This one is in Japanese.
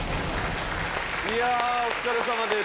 いやお疲れさまです。